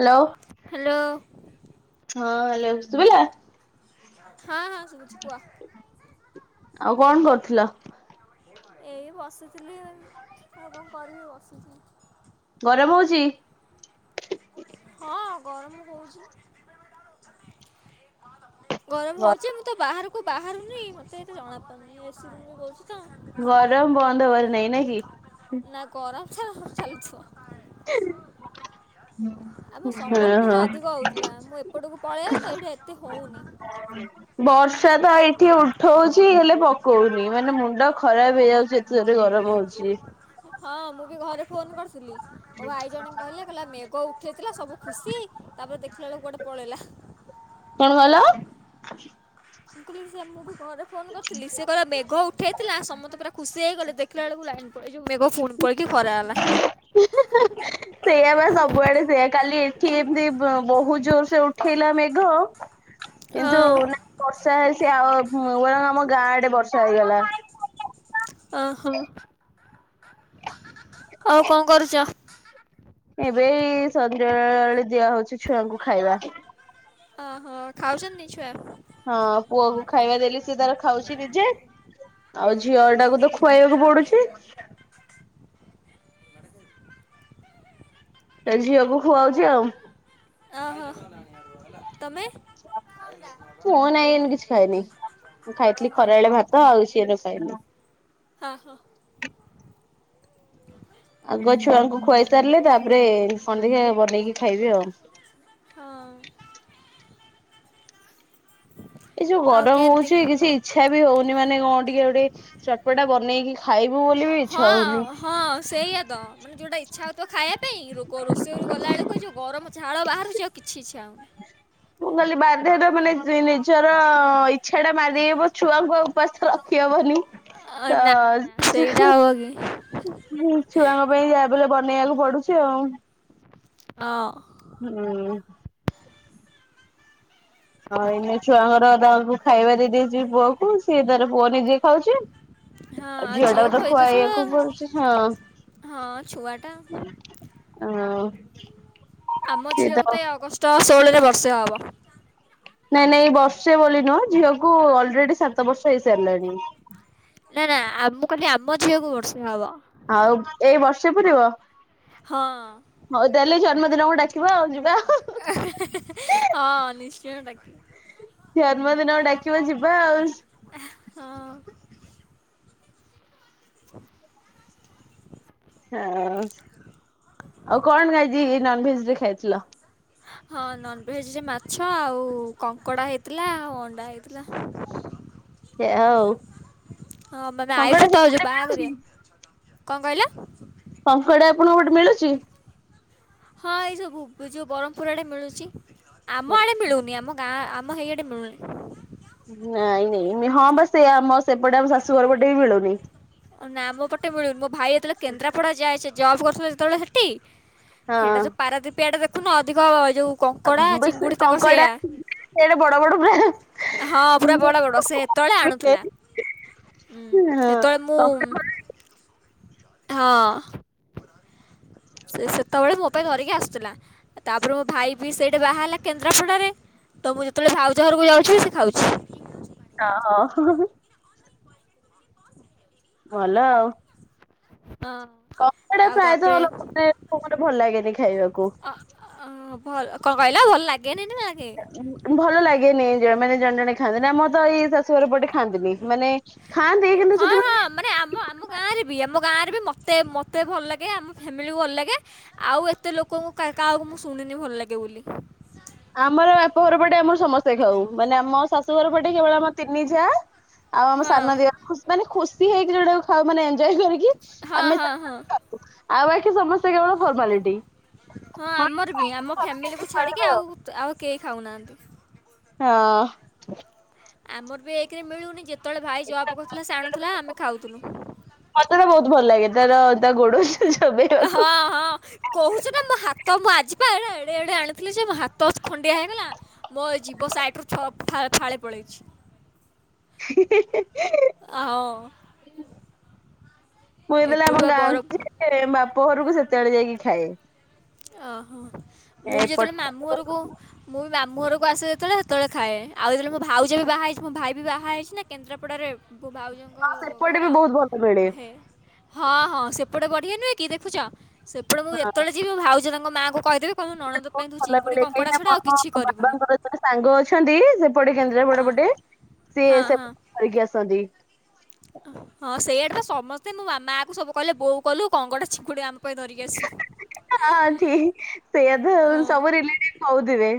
Hello. ଲୋ ହଁ hello ସୁଭିଲା। ହଁ ହଁ ସୁୁବୁଛି କୁହ। ଆଉ କଣ କରୁଥିଲ? ଏଇ ବସୁଥିଲି ଏବଂ କରିି ବସୁଛି। ଗରମ ହଉଚି? ହଁ ଗରମ ହଉଛି ଗରମ ହଉଛି ମୁଁ ତ ବାହାର ବାହାରୁନି ମତେ ଏତେ ଜଣାପାରୁନି ଏ ସି ରୁମରେ ରହୁଛି। ତ। ଗରମ ବନ୍ଦ ହବାର ନାଇଁ ନାକି? ନା ଗରମ ତ ଚାଲିଥିବ। ହୁଁ। ଆମ ସମ୍ବଲପୁରରେ ଅଧିକ ହଉଥିଲା ମୁଁ ଏପଟକୁ ପଳେଇ ଆସେ ଏଈଠେ ଏତେ ହଉନି। ବର୍ଷା ତ ଏଇଠି ଉଠଉଛି ହେଲେ ପକଉନି ମାନେ ମୁଣ୍ଡ ଖରାପ ହେଇଯାଉଛି ଏତେ ରେ ଗରମ ହଉଛି। ହଁ ମୁଁ ବି ଘରେ ଫୋନ କରିଥିଲି। ମ ଭାଇ ଜଣେ କହିଲେ କହିଲା ମେଘ ଉଠେଇଥିଲା ସବୁ ଖୁସି ତାପରେ ଦେଖ କୁଆଡେ ପଳେଇଲା। କଣ କହିଲ? ସେ ମୁଁ ବି ଘରେ ଫୋନ କରିଥିଲି ସେ କହିଲା ମେଘ ଉଠେଇଥିଲା ସମତେ ପୁରା ଖୁ ସେଇ ଗଲେ ଦେଖିଲା ବେଳକୁ ଲାଇନ ପଳେଇ ଏ ଜଉ ମେଘ ଫୁନ୍ ପଳକି ଖରା ହେଲା। ସେଇଆ ବା ସବୁଆଡେ ସେଇଆ କାଲି ଏଠି ଏମିତି ବ-ବହୁତ ଜୋର ସେ ଉଠେଇଲା ମେଘ କିନ୍ତୁ ହଁ ନା ବର୍ଷା ହେଲେ ସେ ଆ ଆମ ଗାଁଡେ ବର୍ଷା ହେଇଗଲା। ଅହୋ। ଆଉ କଣ କରୁଛ? ଏବେ ଏଇ ସଞ୍ଜବେଳେ ଦିଆ ହଉଛି ଛୁଆଙ୍କୁ ଖାଇବା। ଅ ହଁ ଖାଉଛନ୍ତି ଛୁଆ? ହଁ ପୁଅ କୁ ଖାଇବା ଦେଲି ସେ ତାର ଖାଉଛି ନିଜେ ଆଉ ଝିଅ ଟାକୁ ତ ଖୁଆଇବାକୁ ପଡୁଛି। ସେ ଝିଅକୁ ଖୁଆଉଛି ଆଉ। ଓହୋ ତମେ? [inaudible] ମୁଁ ନାଇଁ ଏନୁ କିଛି ଖାଇନି। ମୁ ଖାଇଥିଲି ହଁ ଖରାବେଳେ ଭାତ ଆଉ କିସି ଏନେ ଖାଇନି। ହଁ ହଁ। ଆଗ ଛୁଆଙ୍କୁ ଖୁଆଇ ସାରିଲେ ତାପରେ କଣ ଦେଖିଆ ବନେଇକି ଖାଇବି ଆଉ। ହଁ ଏଇ ଯୋଉ ଆଉ ଗରମ କେମିତି? ହଉଛି କିଛି ଇଚ୍ଛା ବି ହଉନି ମାନେ କଣ ଟିକେ ଗୋଟେ ଚଟପଟା ବନେଇକି ଖାଇବୁ ବୋଲି ବି ଇଚ୍ଛା ହଉନି। ହଁ ହଁ ସେଇଆ ତ ମାନେ ଯୋଉଟା ଇଚ୍ଛା ହଉଥିବ ଖାଇବା ପାଇଁ ରୋଗ ରୋଷେଇ ଘରକୁ ଗଲାବେଳକୁ ଏଇ ଯୋଉ ଗରମ ଝାଳ ବାହାରୁଛି ଆଉ କିଛି ଇଛା ହଉନି। ହ ମୁଁ କହିଲି ବାଧ୍ୟ ତ ମାନେ ନିଜର ଇଚ୍ଛାଟା ମାରିବୁ ଛୁଆଙ୍କୁ ଆଉ ଉପାସ ତ ରଖିହବନି। ନା ତଅ ନା ସେଇଟା [unintelligible] ହବ କି? ଛୁଆଙ୍କ ପାଇଁ ଯାହା ବି ହେଲେ ବନେଇବାକୁ ପଡୁଛି ଆଉ। ହଁ। ହୁଁ। ହଁ ଏଇନେ ଛୁଆଙ୍କର ତାଙ୍କୁ ଖାଇବା ଦେଇଦେଇଛିି ପୁଅ କୁ ସିଏ ତାର ପୁଅ ନିଜେ ଖାଉଛି ହଁ ଆଉ ଝିଅ ଟା ଝିଅକୁ କୁ ତ ଖୋଇଦଉଛୁ ଖୁଆଇବାକୁ ଆଉ। ପଡ଼ୁଚି। ହଁ ହଁ ଛୁଆ ଟା ହଁ। ଆମ ଝିଅକୁ ତ ଏ ଅଗଷ୍ଟ ଷୋହଳରେ ବର୍ଷେ ହବ। ନାଇଁ ନାଇଁ ବର୍ଷେ ବୋଲି ନୁହ ଝିଅକୁୁ ଅଲରେଡି ସାତ ବର୍ଷ ହେଇସାରିଲାଣି। ନା ନା ଆମ ମୁଁ କହିଲି ଆମ ଝିଅକୁ ବର୍ଷେ ହବ। ସେ ପୁରିବ ହଁ ହଉ ତାହାଲେ ଜନ୍ମଦିନକୁ ଡାକିବ ଆଉ ଯିବା ହି ହି ହିଁ ହଁ ନିଶ୍ଚୟ ଡାକିବି। ଜନ୍ମଦିନ କୁ ଡାକିବ ଯିବା ଆଉ। ହଁ। [inaudible] ହଁ ଆଉ କଣ ଆଜି ନନଭେଜ ରେ ଖାଇଥିଲ? ହଁ ନନଭେଜରେ ମାଛ ଆଉ କଙ୍କଡ଼ା ହେଇଥିଲା ଆଉ ଅଣ୍ଡା ହେଇଥିଲା। ସେଇଆ ଆଉ ହଁ ମ ଆମେ କଙ୍କଡା ଆଇଛୁ ତ ଯଉ ସେପଟେ ମିଳୁଛି ବାହାଘରିଆ। କଣ କହିଲ? କଙ୍କଡ଼ା ଆପଣଙ୍କ ପଟେ ମିଳୁଛି? ହଁ ଏଇ ସବୁ ବୁ ଯୋଉ ବ୍ରହ୍ମପୁର ଆଡେ ମିଳୁଛି ଆମ ଆଡେ ମିଳୁନି ଆମ ଗାଁ ଆମ ମ ହେଇଆଡେ ମିଳୁନି। ନାଇଁ ନାଇଁ ହଁ ବା ସେ ଆମ ସେପଟେ ଆମ ଶାଶୁଘର ପଟେ ବି ମିଳୁନି। ନା ଆମ ପଟେ ମିଳୁନି ମୋ ଭାଇ ଯେତେବେଳେ କେନ୍ଦ୍ରାପଡା ଯାଏ ସେ ଜବ୍ କରୁଥିଲା ଯେତେବେଳେ ହେଠି ହେଟା ଯୋଉ ହଁ ପାରାଦୀପ ଆଡେ ଦେଖୁନ ଅଧିକ ଯୋଉ କଙ୍କଡା ବେଶ୍ ଚିଙ୍ଗୁଡି ତାଙ୍କର କଙ୍କଡା ସେଇଆ ସେଆଡେ ବଡ ବଡ ପୁରା ହଁ ପୁରା ବଡ ବଡ ସେ ହେତେଳେ ଆଣୁଥିଲା। ହୁଁ ହେତେବେଳେ ମୁଁ କଙ୍କଡା ହଁ। ସେ ସେତେବେଳେ ମୋ ପାଇଁ ଧରିକି ଆସୁଥିଲା। ତାପରେ ମୋ ଭାଇ ବି ସେଇଠେ ବାହା ହେଲା କେନ୍ଦ୍ରାପଡ଼ାରେ ତ ମୁଁ ଯେତେବେଳେ ଭାଉଜ ଘରକୁ ଯାଉଛି ସେ ଖାଉଛି। ଓ ହ ହୁଁ ହୁଁ। ଭଲ ଆଉ। ହଁ କଙ୍କଡ଼ା ଆଉ ଫ୍ରାଏ ତ ତାପରେ ଅ ଗୋଟେ ଭଲ ଲାଗେନି ଖାଇବାକୁ। ଭଲ କଣ କହିଲ ଭଲ ଲାଗେନି ନା ଲାଗେ ଭଲ ଲାଗେନି ମାନେ ଜଣେ ଜଣେ ଖାଆନ୍ତି ନା ଆମର ତ ଏଇ ଶାଶୁଘର ପଟେ ଖାଆନ୍ତିନି। ମାନେ ଖାଆନ୍ତି କିନ୍ତୁ ହଁ ହଁ ସେଥିପାଇଁ ମାନେ ଆମ ଆମ ଗାଁରେ ବି ଆମ ଗାଁରେ ବି ମ ମତେ ମତେ ଭଲ ଲାଗେ ଆମ ଫ୍ୟାମିଲିକୁ ଭଲ ଲାଗେ ଆଉ ଏତେ ଲୋକଙ୍କୁ କାହାକୁ ମୁଁ ଶୁଣିନି ଭଲ ଲାଗେ। ବୋଲି। ଆମର ବାପ ଘର ପଟେ ଆମର ସମସ୍ତେ ଖାଉ ମାନେ ଆମ ଶାଶୁ ଘର ପଟେ କେବଳ ଆମ ତିନି ଯାଆ ଆଉ ଆମ ହଁ ସାନ ଦିଅର ମାନେ ଖୁସି ହେଇକି ଯୋଉଟାକୁ ଖାଉ ମାନେ [unintelligible] ହଁ ଆଉ ହଁ ହଁ ବାକି ସମସ୍ତେ କେବଳ ଫର୍ମାଲିଟି। ହଁ ଆମର ବି ଆମ ଫ୍ୟାମିଲି କୁ ଛାଡିକି ଚଳିବ ଆଉ ଆଉ କେହି ଖାଉନାହାନ୍ତି। ହଁ। ଆମର ବି ଏକରେ ମିଳୁନି ଯେ ଯେତେବେଳେ ଭାଇ ହଁ ଜବ୍ କରୁଥିଲା ସେ ଆଣୁଥିଲା ଆମେ ଖାଉଥିଲୁ। ମତେ ତ ବହୁତ ଭଲ ଲାଗେ ତାର ତା ଗୋଡ଼ ହଁ ହଁ କହୁଛୁ ନା ମୋ ହାତ ମୁଁ ଆଜି ଆ ଯିବା ଏଡ଼େ ଏଡ଼େ ଆଣୁଥିଲି ଯେ ମୋ ହାତ ଖଣ୍ଡିଆ ହେଇଗଲା ମୋ ଜିଭ ସାଇଟରୁ ଛ ଫାଳେ ପଳେଇଛି। ହି ହିଁ ହିି। ହଁ ମୁଁ ଯେତେବେଳେ ଏପଟୁ ଆମ ବା ବରଫ ଗାଁକୁ ଯାଏ ବାପ ଘରକୁ ସେତେବେଳେ ଯାଇକି ଖାଏ। ଓହୋ ମୁଁ ବି ଏପଟ ଯେତେବେଳେ ମାମୁଁ ଘରକୁ ମୁଁ ମାମୁଁ ଘରକୁ ଆସେ ଯେତେବେଳେ ହେତେଳେ ଖାଏ ଆଉ ଯେତେବେଳେ ମୋ ଭାଉଜ ବି ବାହା ହେଇଛି ନା ମୋ ଭାଇ ବି ବାହା ହୋଇଛି ନା କେନ୍ଦ୍ରାପଡ଼ାରେ ଭାଉଜଙ୍କ ହଁ ସେପଟେ ଘର ବି ବହୁତ ଭଲ ମିଳେ ହେ ହଁ ହଁ ସେପଟେ ବଢିଆ ନୁହେ କି ଦେଖୁଛ ସେପଟେ ମୁଁ ହଁ ଯେତେବେଳେ ଯିବି ଭାଉଜ ତାଙ୍କ ମାଆଙ୍କୁ କହି ବହୁତ ଭଲ ମିଳେ କାହିଁକି ନା କିଛି ମୋ କରିବୁନି ବାବାଙ୍କର ଜଣେ ସାଙ୍ଗ ଅଛନ୍ତି ସେପଟେ କେନ୍ଦ୍ରାପଡା ହଁ ପଟେ ସେ ହଁ ହଁ [unintelligible] ଆସନ୍ତି। ହଁ ସେଇଆଡେ ତ ସମସ୍ତେ ମୋ ମା କୁ ସବୁ ଗଲୁ ବୋହୂ ଗଲୁ କଙ୍କଡ଼ା ଚିଙ୍ଗୁଡ଼ି ପାଇଁ ଧରିକି ହଁ ଠିକ ସେଇଆ ତ ଆସିବୁ ସବୁ ରିଲେଟିଭ କହୁଥିବେ।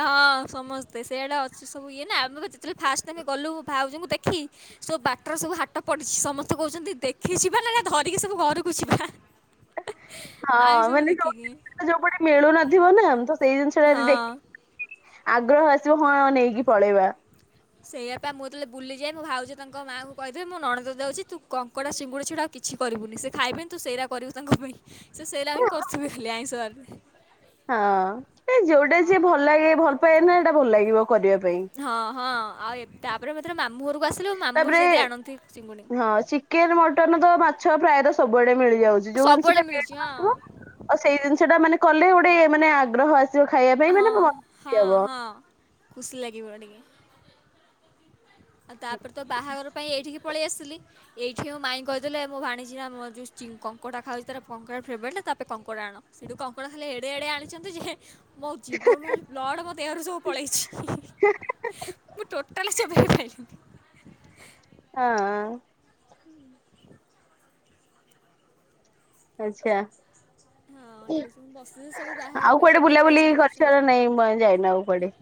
ହଁ। ସମସ୍ତେ ସେଇଆଡେ ଅଛି ସବୁ ଇଏ ନା ଆମେ ଯେତେବେଳେ ଫାଷ୍ଟ ଟାଇମ ଗଲୁ ଭାଉଜଙ୍କୁ ଦେଖି ସବୁ ବାଟରେ ସବୁ ସବୁ ହାଟ ପଡିଛି ସମସ୍ତେ କହୁଛନ୍ତି ଦେଖି ଯିବା ନା ନା ଧରିକି ସବୁ ଘରକୁ ଯିବା। ହଁ ଆଇ ସବୁ ମାନେ ଯ ଦେଖିକି ଯୋଉେ ପଟେ ମିଳୁନଥିବ ନା ଆମେ ତ ସେଇ ଜିନିଷଟା ଯଦି ହଁ ଦେଖ ଆଗ୍ରହ ଆସିବ ହଁ ନେଇକି ପଳେଇବା। ସେଇଆପା ମୁଁ ଯେତେବେଳେ ବୁଲିଯାଏ ମୁଁ ଭାଉଜ ତାଙ୍କ ମାଆଙ୍କୁ କହିିଥିବେ ମୋ ନଣନ୍ଦ ଯାଉଛି ତୁ କଙ୍କଡା ଚିଙ୍ଗୁଡି ଛଡ଼ା ଆଉ କିଛି କିଛି କରିବୁନି ସେ ଖାଇବେନି ତୁ ସେଇରା କରିବୁ ତାଙ୍କ ପାଇଁ। ସେଇଟା ହିଁ କରଥିବେ ଖାଲି ଆଇଁସର ହଁ ଏ ଯୋଉଟା ଯିଏ ଭଲ ଲାଗେ ଭଲ ପାଏ ନା ହେଇଟା ଭଲ ଲାଗିବ କରିବା ପାଇଁ। ହଁ ହଁ ଆଉ ଏ ତାପରେ ମ - - ତାପରେ ଚିଙ୍ଗୁଡ଼ି ହଁ ଚିକେନ ମଟନ ତ ମାଛ ଫ୍ରାଏ ର ସବୁଆଡେ ମିଳି - - ମିଳିଯାଉଚି ଯୋଉ ସବୁବେଳେ ଜିନିଷଟା ମିଳୁଛି ହଁ। [unintelligible] ସେଇ ଜିନିଷ ଟା ମାନେ କଲେ ଗୋଟେ ମାନେ ଆଗ୍ରହ ଆସି - - ହଁ ହଁ ହଁ ଖୁସି ଲାଗିବ ଟିକେ। ଆଉ ତାପରେ ତ ବାହାଘର ପାଇଁ ଏଇଠିକି ପଳେଇ ଆସଥିଲି ଏଇଠି ମାଇଁ କହିଦେଲେ ମୋ ଭାଣିଛି ନା ମୋ ଯେଉଁ କଙ୍କଟା ଖାଉଛି ତାର କଙ୍କଟା ଫେବରେଟ୍ ତାପେ କଙ୍କଡା ଆଣ ସେଠୁ କଙ୍କଡା ଖାଲେ ଏଡେ ଏଡେ ଆଣିଛନ୍ତି ଯେ ମୋ ଜୀବନ ମ ବ୍ଲଡ଼ ମୋ ଦେହରୁ ସବୁ ପଳେଇଛି ମୁଁ ଟୋଟାଲ ସେ ହଁଅ। ଆଚ୍ଛା। ହଁ ଏଡେ ସବୁ ବସି ଆଉ କୁଆଡେ ବୁଲାବୁଲି କରିଛ ନାଇଁ ଯାଇନ ଆଉ କୁଆଡେ।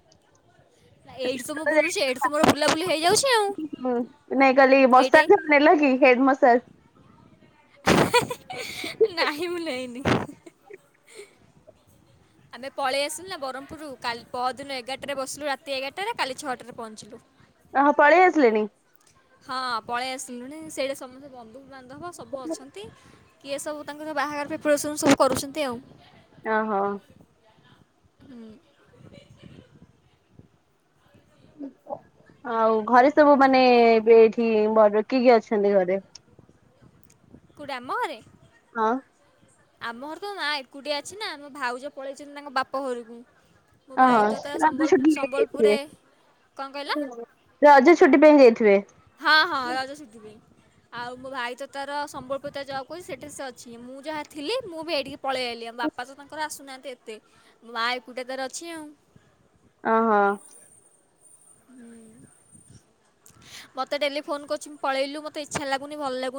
ନା ଏଇଠି ତ ମୁଁ ବୁଲୁଛି ଏଇଠି ତୁମର ବୁଲାବୁଲି ହେଇଯାଉଛି ଆଉ। ହୁଁ ନାଇଁ କାଲି ଏଇଟା ମସାଜ ନେଲା କି ହେଡ ମସାଜ। ନାହିଁ ମୁଁ ନେଇନି। [inaudible] [inaudible] ଆ ହଁ ପଳେଇ ଆସିଲୁଣି ସେଇଟା ସମସ୍ତେ ବନ୍ଧୁ ବା କିଏ ସବୁ ତାଙ୍କର ଓ ହୋ [inaudible] [inaudible] ଆଉ ଘରେ ସବୁ ମାନେ ଏବେଏଇଠି ବଡର କିଏ କିଏ ଅଛନ୍ତି ଘରେ କୁ ଡ଼ାମ। ହଁ। ଆ ଅଁ ରଜଛୁଟିରେ ଯାଇଥିବେ କ'ଣ କହିଲ ହଁ ରଜ ଛୁଟି - - ଛୁଟି ପାଇଁ ଯାଇଥିବେ? ହଁ ହଁ ରଜ ଛୁଟି ପାଇଁ। ଆଉ ମୋ ଭାଇ ବାପା ତ ତାଙ୍କର ଆସୁନାହାନ୍ତି ଏତେ ମା ଏକୁଟିଆ ତାର ଓ ହୋ। ମତେ ଡେଲି ମୁଁ କହିଲି ତୁ ତ ମୋତେ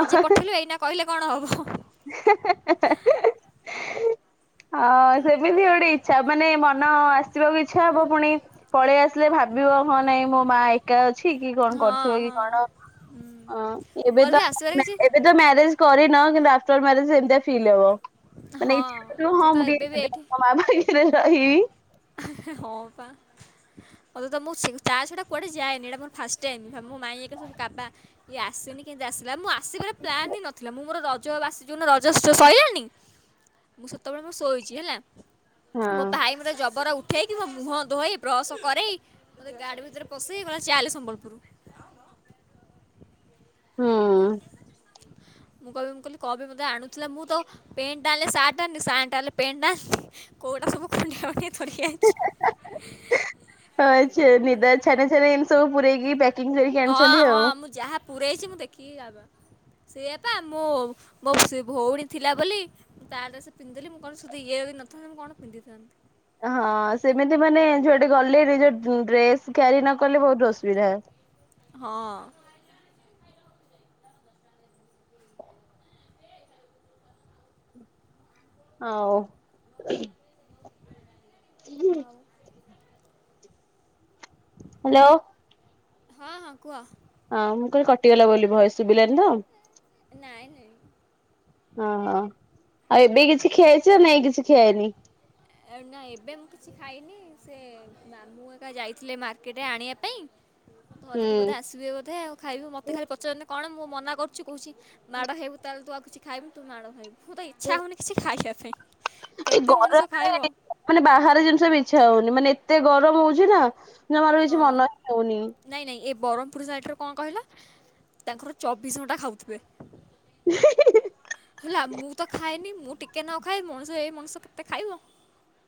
ନିଜେ ପଠେଇଲୁ ଏଇନା କହିଲେ କଣ ହେବ? ହସ ହଁ ସେମିତି ଗୋଟେ ବି ହୋ ହଁ ନାଇଁ ମୋ ମା ଏକା ଅଛି। ଅଛି କି କଣ ହଁ କରୁଥିବ କି ହଁ କଣ ହୁଁ ଏବେ ମୋର ବି ତ ଆସିବାର କିଛି ଏବେ ତ ମ୍ୟାରେଜ କରିନ କିନ୍ତୁ ଆଫଟର ମ୍ୟାରେଜ ମାନେ ହଁ। ଇଚ୍ଛା କରିବ ମୋତେ ତ ହଁ ଏବେ ବି ଏଇଠି ମତେ ତ ଇଆ। ମୁଁ ସେତେବେଳେ ମୋର ଶୋଇଛି ହେଲା। ହଁ ଉଠେଇକି ମୋ ମୁହଁ ଧୋଇ [inaudible] ମୁଁ କହିବି ମୁଁ କହିଲି କଉଟା ସବୁ ଖଣ୍ଡିଆ ମଣ୍ଡିଆ ଧରିକି ଆଇଚି। ନିଦ ଛାନିଆ ଛାନିଆରେ ଏମତି ସବୁ ପୁରେଇକି ପ୍ୟାକ୍ ହଁ ହଁ ମୁଁ ଯାହା ପୂରେଇଛି ମୁଁ ଦେଖିକି କାବା ସିଏ ପା ମୋ ମୋ ସେ ଭ ନ ହୁଁ। ହଁ। ହଉ [inaudible] ଆଉ ହାଲୋ। ହଁ ହଁ କୁହ। ହଁ ମୁଁ କହିଲି କଟିଗଲା ବୋଲି ଭଏସ ଶୁଭିଲାନି ତ ନାଇଁ ନାଇଁ ଓହୋ ଆଉ ଏବେ କିଛି ଖିଆହେଇଛି ନା କିଛି ଖିଆହେଇନି। ନା ଏବେ ମୁଁ କିଛି ଖାଇନି ସେ ମାମୁଁ ଏକା ଯାଇଥିଲେ ମାର୍କେଟରେ ଆଣିବା ପାଇଁ ଧରିକି ବୋଧେ ହୁଁ ଆସିବେ ବୋଧେ ଆଉ ଖାଇବେ ମତେ ଖାଲି ପଚାରୁଛନ୍ତି କଣ ମୁଁ ମନା କରୁଛି କହୁଛି ମାଡ଼ ହେବୁ ତାହେଲେ ତୁ ଆଉ କିଛି ଖାଇବୁି ତୁ ମାଡ଼ ଖାଇବୁ। ମୁଁ ତ ଇଚ୍ଛା ହଉନି କିଛି ଖାଇବା ପାଇଁ କେତେ ମଣିଷ ମାନେ ଖାଇବ ମାନେ ବାହାରେ ଜିନିଷ ବିଛା ହଉନି ମାନେ ଏତେ ଗରମ ହଉଛି ନା? ଜମାରୁ କିଛି ମନ ହଁ ହଉନି। ବରମପୁର ସାଇଟରେ କଣ କହିଲ ତାଙ୍କର ଚବିଶ ଘଣ୍ଟା ଖାଉଥିବେ। ହି ହିଁ। ହେଲା ମୁଁ ତ ଖାଏନି ମୁଁ ଟିକେ ନ ଖାଏ ମଣିଷ ଏଇ ମଣିଷ କେତେ ଖାଇବ।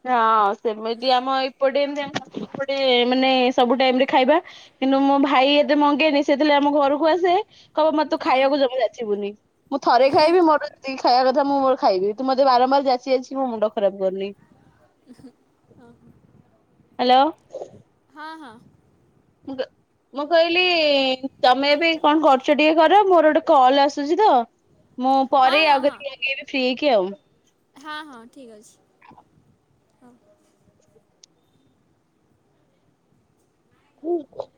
ହଁ ସେମତି ଆମ ଏପଟେତି [inaudible] ମାନେ ସବୁ ଟାଇମିରେ ଖାଇବା। କିନ୍ତୁ ମୋ ଭାଇ ଏତେ ମଗେନି ସେଥିଳେ ଆମ ଘରକୁ ଆସେ କହ ମତେ ତୁ ହଁ ଖାଇବାକୁ ଜମା ଯାଚିବୁନି ମୁଁ ଥରେ ଖାଇବି ମୋର ଯେତିକି ଖାଇବା କଥା ମୁଁ ମୋର ଖାଇବି ତୁ ମତେ ବାରମ୍ବାର ଯାଚି ଯାଚି ମୋ ମୁୋଣ୍ଡ ଖରପ କରନି। ହ। ହ୍ୟାଲୋ। ଓହ। ମୁ ମୁଁ କହିଲି ତମେ ଏ ବି କଣ କରୁଛ ଟିକେ କରର ମୋର ଗୋଟେ କଲ ଆସୁଛି ତ? ମୁଁ ହଁ ପରେ ଆଉ ହଁ ହଁ ଆଗି [inaudible] ଫ୍ରି ହେଇକି ଆଉ। ହଁ ହଁ ଠିକ ଅଛି ହଉ। ହୁଁ।